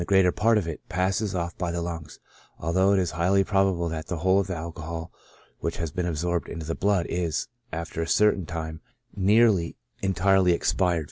IJ greater part of it, passes ofF by the lungs ; although it is highly probable that the whole of the alcohol which has been absorbed into the blood, is, after a certain time, near ly* entirely expired.